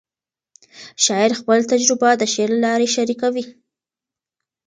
شاعر خپل تجربه د شعر له لارې شریکوي.